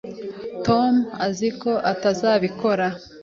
Tom azi ko tutazabikora.